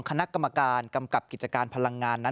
คณะกรรมการกำกับกิจการพลังงานนั้น